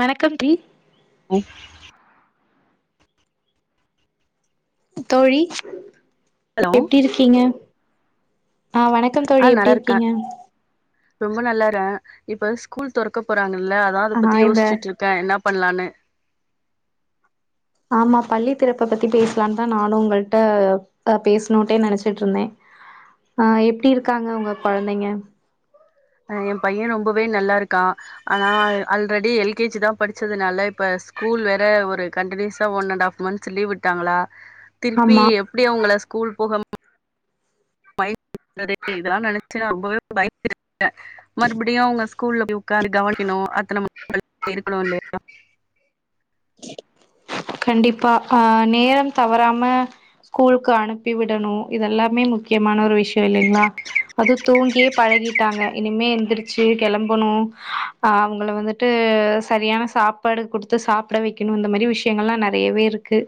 வணக்கம் டி ஆ தோழி ஹலோ எப்டி இருக்கீங்க அ வணக்கம் ஆ தோழி எப்டி நல்லா இருக்கே இருக்கீங்க ரொம்ப நல்லாறே இப்ப ஸ்கூல் தொறக்க போறாங் இல்ல அதா அத ஆ பத்தி இந்த யோசிட்டுருக்கே என்னா பண்லானு ஆமா பள்ளித் திறப்ப பத்தி பேசலா தா நானு உங்கள்ட்ட த பேசுணோட்டே நெனச்சுட்டுருந்தே ஆ எப்டி இருக்காங்க உங்க கொழந்தைங்க அ எ பைய ரொம்பவே நல்லாருக்கா ஆனா அ ஆல்ரெடி எல் கே ஜி தா படிச்சதுனால இப்ப ஸ் கூல் வேற ஒரு கண்டிநியூஸ் ட one and half months leave விட்டாங்களா திர்பீ ஆமா எப்டி அவுங்கள ஸ்கூல் போகம் [inaudible] இதலா நெனச்சு நா ரொம்பவே பயந் [inaudible] க மறுபடியு அவுங்க ஸ்கூல்ல போய் உக்காந்து கவுனிக்கணோ அத்து நம் [inaudible] இருக்கணோ இல்லேயா கண்டிப்பா அ நேரம் தவறாம ஸ்கூலுக்கு அனுப்பி விடணோ இதெல்லாமே முக்கியமான ஒரு விஷ்யு இல்லேங்ளா அது தூங்கியே பழகிட்டாங்க இனிமே எந்திரிச்சு கெளம்பணோ ஆ அவுங்கள வந்துட்டு செரியான சாப்பாடு குடுத்து சாப் ப்ட வெக்கிணு இந்த மாரி விஷயங்கள்லா நெறையவே இருக்கு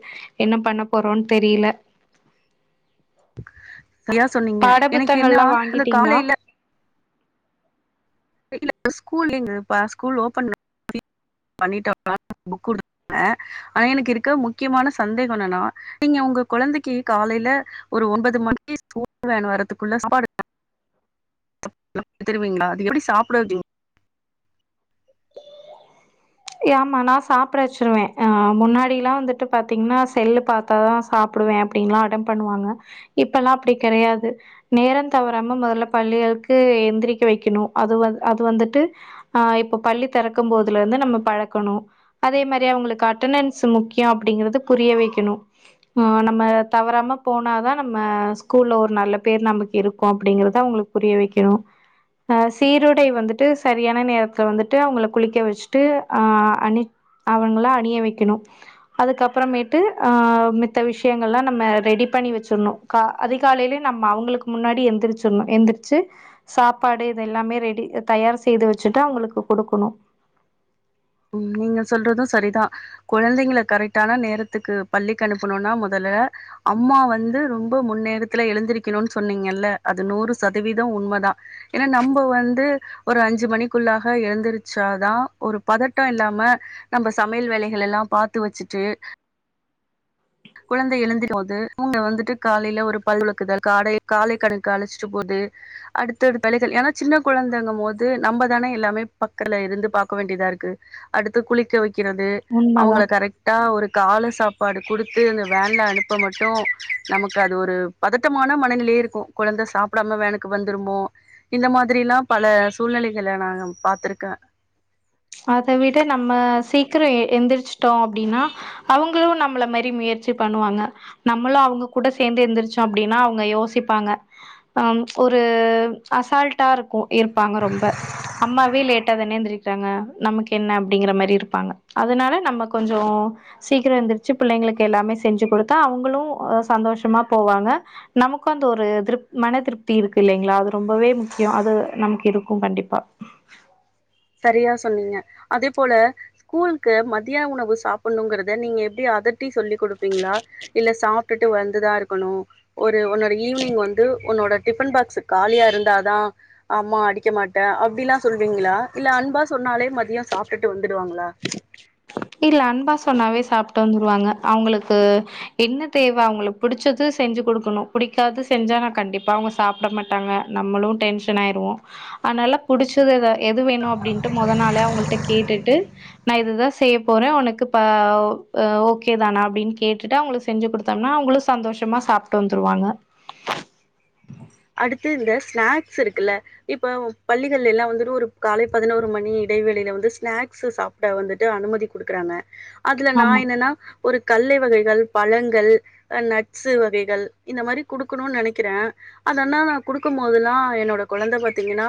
என்ன பண்ணப்போறோன்னு தெரில இத்யா சொன்னீங்க புத்தகங்கள்லா வாங்கிட்டீங்களா இ இல்ல ஸ்கூல் லீவு பா ஸ்கூல் ஓபன் பண்ணிட்டோனா [inaudible] ஆ ஆனா எனக் கிருக்க முக்கியமான சந்தேகோ என்னன்னா நீங்க உங்க கொழந்தைக்கி காலையல ஒரு ஒன்பது மணிக்கி ஸ்கூல் வேன் வரதுக்குள்ள சாப்பாடு [inaudible] ஏமா நா சாப்ட வச்சுருவே அ முன்னாடிலா வந்துட்டு பாத்தீங்னா செல்லு பாத்தா தா சாப்டுவே அப்டின்லா அடம் பண்ணுவாங்க இப்பெல்லா அப்டி கெடையாது நேரம் தவறாம முதல பள்ளிகவுக்கு எந்திரிக்க வெக்கணு அது வ அது வந்துட்டு அ இப்ப பள்ளி தெறக்கும் போதுல இருந்து நம்ம பழக்கணோ அதே மாரி அவுங்குளுக்கு அட்டனன்ஸ் முக்கியோ அப்டிங்கிறது புரிய வெக்கணு மா நம்ம தவறாம போனாதா நம்ம ஸ்கூல்ல ஒரு நல்ல பேர் நமக்கு இருக்கோ அப்டிங்கறத அவுங்குளுக்குப் புரிய வெக்கணு அ சீருடை வந்துட்டு சரியான நேரத்துல வந்துட்டு அவுங்கள குளிக்க வெச்சுட்டு ஆ அணித் அவங்கள அணிய வெக்கணு அதுக்கப்பறமேட்டு ஆவ் மித்த விஷயங்கள்லா நம்ம ரெடி பண்ணி வெச்சுர்ணோ கா அதிகாலைலே நம்ம அவுங்குளுக்கு முன்னாடி எந்திரிச்சுர்ணோ எந்திர்ச்சு சாப்பாடு இதெல்லாமே ரெடி அ தயார் செய்து வெச்சுட்டு அவுங்குளுக்கு குடுக்குணோ உம் நீங்க சொல்றதோ சரிதா கொழந்தைங்கள கரெக்டான நேரத்துக்கு பள்ளிக்கு அனுப்புணுனா மொதல்ல அம்மா வந்து ரொம்ப முன்னேரத்துல எழுந்திருக்கணுன்னு சொன்னீங்கல்ல அது நூறு சதவீதோ உண்மதா ஏனா நம்ம வந்து ஒரு அஞ்சு மணிக்குள்ளாக எழுந்திருச்சாதா ஒரு பதட்டோ இல்லாம நம்ப சமைல் வேலைகள எல்லா பாத்து வெச்சுட்டு குழந்தை எழுந்திக் போது நீங்க வந்துட்டு காலைல ஒரு பல்லு வெலக்குதல் காடை காலை கடனுக்கு அழைச்சுட்டு போது அடுத்தத்தடுத்த வேலைகள் ஏனா சின்னக் கொழந்தங்க மோது நம்ப தானே யெல்லாமே பக்கத்தல இருந்து பாக்க வேண்டியதா இருக்கு அடுத்து குளிக்க வை க்கிறது உண்மதா அவுங்கள கரெக்டா ஒரு கால சாப்பாடு குடுத்து இந்த வேன்ல அனுப்ப மட்டோ நமக்கு அது ஒரு பதட்டமான மனநிலயே இருக்கோ கொழந்த சாப்டாம வேனுக்கு வந்துருமோ இந்த மாதிரிலா பல சூழ்நிலைகள நா பாத்திருக்கே ச்ச அத விட நம்ம சீக்கிர எந்திர்ச் டோ அப்டினா அவுங் வுங்களு நம்மள மாரி முயற்சி பண்ணுவாங்க நம்மளு அவுங்க கூட சேர்ந்து எந்திரிச்சோ அப்டின்னா அவுங்க யோசிப்பாங்க ஆம் ச்ச ஒரு ச்ச அசால்டா இருக்கோ இருப்பாங்க ரொம்ப அம்மாவே லேட்டா தானே எந்திரிட்டாங்க நமக்கு என்ன அப்டிங்கிற மாரி இருப்பாங்க அதனால நம்ம கொஞ்சோ சீக்கிர எந்துரிச்சு பிள்ளைங்களுக்கு எல்லாமே செஞ்சு கொடுத்தா அவுங்களு அ சந்தோஷமா போவாங்க நமக்கு அந்த ஒரு திருப் மன திருப்தி இருக்கில்லைங்களா அது ரொம்பவே முக்கியொ அது நமக்கு இருக்கு கண்டிப்பா சரியா சொன்னீங்க அதே போல ஸ்கூலுக்கு மத்திய உணவு சாப்டுணுங்குறது நீங்க எப்டி அதட் டி சொல்லிக் கொடுப்பீங்களா இல்ல சாப் ட்டுட்டு வந்து தா இருக்கணு ஒ ரு உன்னோட ஈவினிங் வந்து உன்னோட டிஃபன் பாக்ஸ் காலியா இருந்தா தா அம்மா அடிக்க மாட்டே அப்டில்லா சொல்வீங்களா இல்ல அன்பா சொன்னாலே மதியொ சாப்ட்டுட்டு வந்துடுவாங்களா இல்ல அன்பா சொன்னாவே சாப்ட்டு வந்துடுவாங்க அவங்களுக்கு என்ன தேவ அவங்களுக்கு புடிச்சது செஞ்சு கொடுக்கணு பிடிக்காது செஞ்சா நா கண்டிப்பா அவங்க சாப்ட மாட்டாங்க நம்மளு டென்ஷன் ஆயிருவோ அனால புடிச்சது எதா எது வேணு அப்டின்ட்டு மொத நாளே கேட்டுட்டு நா இதுதா செய்ய போறே உனக்கு ப ஹ ஓகே தானா அப்டின் கேட்டுட்டு அவங்களுக்கு செஞ்சு கொடுத்தோம்னா அவங்களு சந்தோஷமா சாப்ட்டு வந்துருவாங்க அடுத்து இந்த ஸ்நாக்ஸ் இருக்குல்ல இப்ப பள்ளிகள்ல எல்லா வந்துட்டு ஒரு காலை பதினோரு மணி இடைவேளில வந்து ஸ்நாக்ஸு சாப்ட வந்துட்டு அனுமதி குடுக்குறாங்க அதுல நா ஆமா என்னன்னா ஒரு கல்லை வகைகள் பழங்கள் அ நட்ஸு வகைகள் இந்த மாரி குடுக்கணு நினைக்கிறே அதெல்லா நா குடுக்கும் போதெல்லா என்னோட கொழந்த பாத்தீங்கன்னா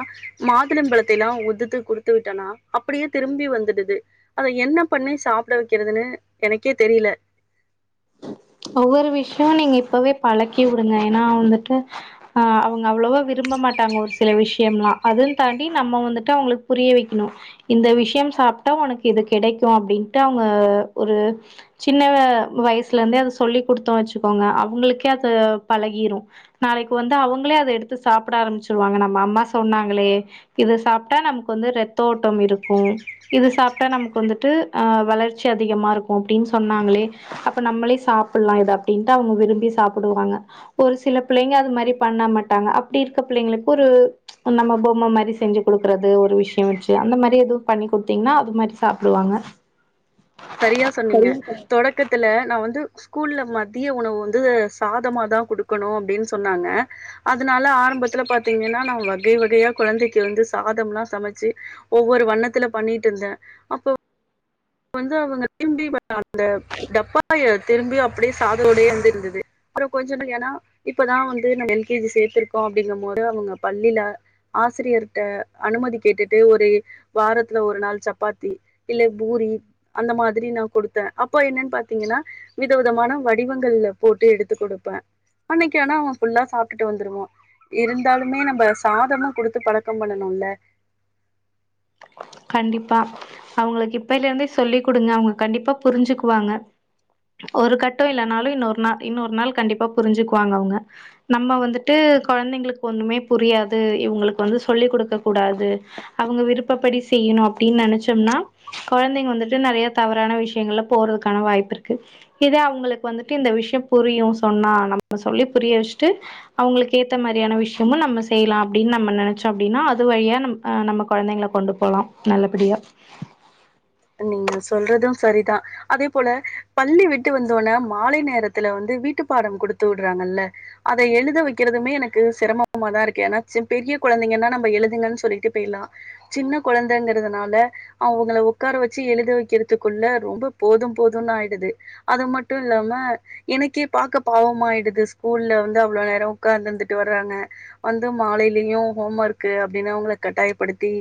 மாதுளம்பழத்த எல்லா உதுத்து குடுத்து விட்டேனா அப்படியே திரும்பி வந்துடுது அத என்ன பண்ணி சாப்ட வைக்கிறதுன்னு எனக்கே தெரில ஒவ்வொரு விஷயொ நீங்க இப்பவே பழக்கி விடுங்க ஏன்னா வந்துட்டு ஆஹ் அவங்க அவ்வளவா விரும்ப மாட்டாங்க ஒரு சில விஷயம்லா அதுன் தாண்டி நம்ம வந்துட்டு அவங்களுக்கு புரிய வைக்கணு இந்த விஷயம் சாப்ட்டா உனக்கு இது கிடைக்கு அப்டின்ட்டு அவங்க ஒரு சின்ன வயசுல இருந்தே அதுச் சொல்லிகுடுத்தோ வெச்சுக்கோங்க அவங்களுக்கே அது பழகிரு நாளைக்கு வந்து அவங்களே அத எடுத்து சாப்ட ஆரம்பிச்சிருவாங்க நம்ம அம்மா சொன்னாங்களே இது சாப்ட்டா நமக்கு வந்து ரத்த ஓட்டம் இருக்கு இது சாப்ட்டா நமக்கு வந்துட்டு அஹ் வளர்ச்சி அதிகமா இருக்கு அப்டின்னு சொன்னாங்களே அப்ப நம்மளே சாப் புல்லா இத அப்டின்ட்டு அவங்க விரும்பி சாப்பிடுவாங்க ஒரு சில பிள்ளைங்க அது மாரி பண்ண மாட்டாங்க அப்டி இருக்க பிள்ளைங்களுக்கு ஒரு நம்ம பொம்ம மாரி செஞ்சு கொடுக்குறது ஒரு விஷயொ வெச்சு அந்த மாரி எதுவு பண்ணி கொடுத்தீங்கன்னா அது மாரி சாப்பிடுவாங்க சரியா சொன்னீங்க தொடக்கத்துல நா வந்து ஸ்கூல்ல மத்திய உணவு வந்து சாதமாதா குடுக்கணு அப்டின்னு சொன்னாங்க அதனால ஆரம்பத்துல பாத்தீங்கன்னா நா வகை வகையா குழந்தைக்கு வந்து சாதம்லா சமச்சு ஒவ்வொரு வண்ணத்துல பண்ணிட்டு இருந்தே அப்போ வந்து அவங்க திரும்பி அந்த டப்பாய திரும்பி அப்டியே சாதோடயே வந்து இருந்தது அப்புற கொஞ்ச ஏன்னா இப்பதா வந்து நம்ம எல் கே ஜி சேர்த்திருக்கோ அப்டிங்கும் போது அவங்க பள்ளியில ஆசிரியர்ட்ட அனுமதி கேட்டுட்டு ஒரு வாரத்துல ஒரு நாள் சப்பாத்தி இல்ல பூரி அந்த மாதிரி நா கொடுத்தே அப்போ என்னன்னு பாத்தீங்கன்னா வித விதமான வடிவங்கள்ல போட்டு எடுத்து கொடுப்பே அன்னைக்கு ஆனா அவ ஃபுல்லா சாப்ட்டுட்டு வந்துருவா இருந்தாலுமே நம்ப சாதமா கொடுத்து பழக்கம் பண்ணணுல கண்டிப்பா அவங்களுக்கு இப்பைல இருந்தே சொல்லிக் கொடுங்க அவங்க கண்டிப்பா புரிஞ்சுக்குவாங்க ஒரு கட்டொ இல்லனாலு இன்னொரு நாள் இன்னொரு நாள் கண்டிப்பா புரிஞ்சுக்குவாங்க அவங்க நம்ம வந்துட்டு கொழந்தைங்களுக்கு ஒண்ணமே புரியாது இவங்களுக்கு வந்து சொல்லிக் கொடுக்கக் கூடாது அவங்க விருப்பப்படிச் செய்யணு அப்டின்னு நெனைச்சோம்னா கொழந்தைங்க வந்துட்டு நெறைய தவறான விஷயங்கள்ல போறதுக்கான வாய்ப்பு இருக்கு இதே அவங்களுக்கு வந்துட்டு இந்த விஷய புரியு சொன்னா நம்ம சொல்லி புரிய வச்சுட்டு அவங்களுக்கு ஏத்த மாரியான விஷயமு நம்ம செய்லா அப்டின்னு நம்ம நெனச்சோ அப்டின்னா அது வழியா நம் அஹ் நம்ம கொழந்தைங்கள கொண்டு போலா நல்லபடியா நீங்க சொல்றது சரிதா அதே போல பள்ளி விட்டு வந்தவோனே மாலை நேரத்துல வந்து வீட்டு பாடம் குடுத்து விடுறாங்கல்ல அத எழுத வைக்கிறதுமே எனக்கு சிரமமாதா இருக்கு ஏன்னா சி பெரிய கொழந்தைங்கன்னா நம்ம எழுதுங்கன்னு சொல்லிட்டு போய்லா சின்ன கொழந்தைங்கிறதுனால அவங்கள உ க்கார வச்சு எழுத வைக்கிறதுக்குள்ள ரொம்ப போது போதுனு ஆயிடுது அது மட்டு இல்லாம எனக்கே பாக்க பாவம ஆயிடுது ஸ்கூல்ல வந்து அவ்வளவு நேரொ உக்கார்ந்துந்துட்டு வர்றாங்க வந்து மாலையிலயு ஹோம் ஒர்க்கு அப்டின்னுா அவங்கள கட்டாயப்படுத்தி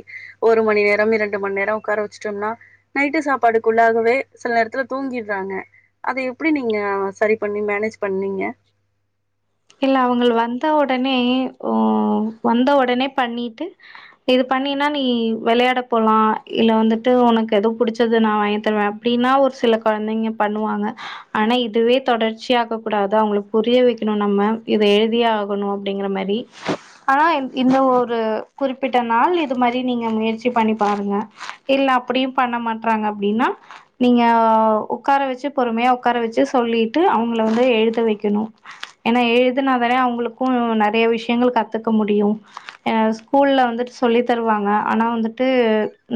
ஒரு மணி நேரம் இரண்டு மணி நேர உக்கார வச் சும்னா நைட்டு சாப்பாடுக்குள்ளாகவே சில நேரத்துல தூங்கிடுறாங்க அத எப்டி நீங்க சரி பண்ணி மேனேஜ் பண்ணீங்க இல்ல அவங்கள வந்த ஒடனே உஹ் வந்த ஒடனே பண்ணிட்டு இது பண்ணினா நீ விளையாட போலா இல்ல வந்துட்டு ஒனக்கு எதோ புடிச்சது நா வாங்கி தருவே அப்டின்னா ஒரு சில கொழந்தைங்க பண்ணுவாங்க ஆனா இதுவே தொடர்ச்சியாக கூடாது அவங்களுக்கு புரிய வைக்கணு நம்ம இத எழுதியு ஆகணு அப்டிங்கிற மாரி ஆனா இ இந்த ஒரு குறிப்பிட்ட நாள் இது மாரி நீங்க முயற்சி பண்ணி பாருங்க இல்ல அப்டியு பண்ண மாட்றாங்க அப்டின்னா நீங்க உக்கார வச்சு பொறுமையா உக்கார வச்சு சொல்லிட்டு அவங்கள வந்து எழுத வைக்கணு ஏன்னா எழுதினாதானே அவங்களுக்கு நெறைய விஷயங்கள் கத்துக்க முடியு அஹ் ஸ்கூல்ல வந்துட்டு சொல்லி தருவாங்க ஆனா வந்துட்டு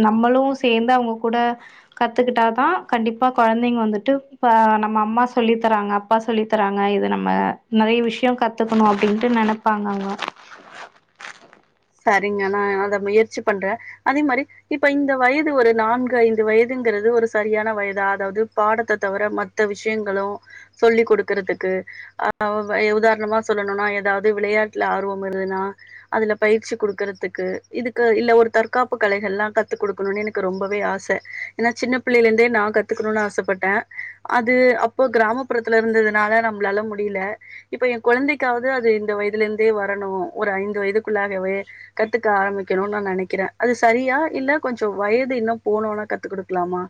நம்மளு சேர்ந்து அவங்க கூட கத்துக்கிட்டா தா கண்டிப்பா கொழந்தைங்க வந்துட்டு இப்ப நம்ம அம்மா சொல்லி தராங்க அப்பா சொல்லி தராங்க இது நம்ம நெறைய விஷயொ கத்துக்கணு அப்டின்ட்டு நெனப்பாங்க அவங்க சரிங்க நா அத முயற்சி பண்றே அதே மாரி இப்ப இந்த வயது ஒரு நான்கு ஐந்து வயதுங்குறது ஒரு சரியான வயதா அதாவது பாடத்த தவிர மத்த விஷயங்களு சொல்லிக் கொடுக்கறதுக்கு ஆஹ் உதாரணமா சொல்லணுனா ஏதாவது விளையாட்டுல ஆர்வம் வருதுன்னா அதுல பயிற்சி கொடுக்கறதுக்கு இதுக்கு இல்ல ஒரு தற்காப்பு கலைகள்லா கத்து கொடுக்கணுன்னு எனக்கு ரொம்பவே ஆச ஏன்னா சின்ன பிள்ளைல இருந்தே நா கத்துக்கணுனு ஆசப்பட்டே அது அப்போ கிராமப்புறத்துல இருந்ததுனால நம்ளால முடில இப்போ எ கொழந்தைக்காவது அது இந்த வயதுல இருந்தே வரணு ஒரு ஐந்து வயதுக் க்குள்ளாகவே கத்துக்க ஆரம்பிக்கணுனு நெனைக்கிறே அது சரியா இல்ல கொஞ்சொ வயது இன்னு போனோன கத்து குடுக்கலாமா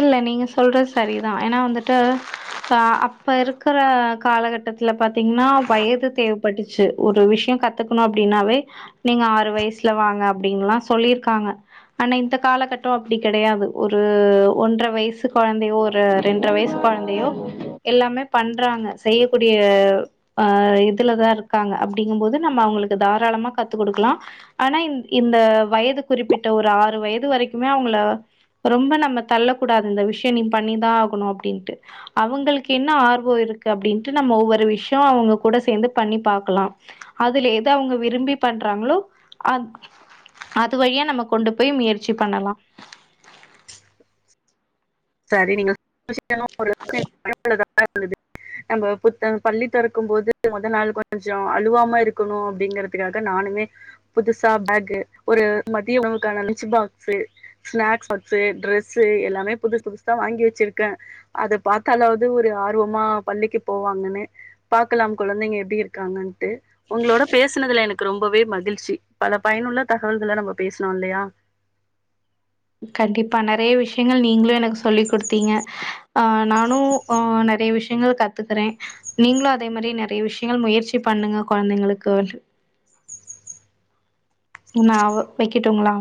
இல்ல நீங்க சொல்றது சரிதா ஏன்னா வந்துட்டு பா அப்ப இருக்குற காலகட்டத்துல பாத் தீங்க்ன்னா வயது தேவ் பட்டுச்சு ஒரு விஷயொ கத்துக்கணு அப்டின்னாவே நீங்க ஆறு வயசுல வாங்க அப்டின்ல்லா சொல்லிருக்காங்க ஆனா இந்த காலகட்டொ அப்டி கெடையாது ஒரு ஒன்ற வயசு கொழந்தையோ ஒரு ரெண்ட்ர வயசு கொழந்தையோ எல்லாமே பண்றாங்க செய்யக்கூடிய ஆஹ் இதுல தா இருக்காங்க அப்டிங்கும்போது நம்ம அவங்களுக்கு தாராளமா கத்து கொடுக்லா ஆனா இந் இந்த வயது குறிப்பிட்ட ஒரு ஆறு வயது வரைக்குமே அவங்கள ரொம்ப நம்ம தள்ளக் கூடாது இந்த விஷய நீ பண்ணிதா ஆகணு அப்டின்ட்டு அவங்களுக்கு என்ன ஆர்வொ இருக்கு அப்டின்னுட்டு நம்ம ஒவ்வொரு விஷயொ அவங்க கூட சேர்ந்து பண்ணி பாக்கலா அதுல எது அவங்க விரும்பி பண்றாங்களோ அ அது வழியா நம்ம கொண்டு போய் முயற்சி பண்ணலா சரி நீங்க [inaudible] [inaudible] நம்ம புத்த பள்ளி திறக்கும் போது மொதல் நாள் கொஞ்சொ அழுவாம இருக்கணு அப்டிங்கறதுக்காக நானுமே புதுசா பேக்கு ஒரு மதிய உணவுக்கான lunch box snacks box dress எல்லாமே புதுசு புதுசா வாங்கி வெச்சிருக்கே அத பாத்தாலாவது ஒரு ஆர்வமா பள்ளிக்கு போவாங்கன்னு பாகக்கலாம் குழந்தைங்க எப்டி இருக்காங்கன்ட்டு உங்களோட பேசுனதுல எனக்கு ரொம்பவே மகிழ்ச்சி பல பயனுள்ள தகவல்கள நம்ம பேசனோ இல்லையா கண்டிப்பா நெறைய விஷயங்கள் நீங்களு எனக்கு சொல்லிக் கொடுத்தீங்க ஆஹ் நானு அஹ் நெறைய விஷயங்கள் கத்துக்குறே நீங்களு அதே மாரி நெறைய விஷயங்கள் முயற்சி பண்ணுங்க கொழந்தைங்களுக்குனுஹ் நா வ வைக்கட்டுங்களா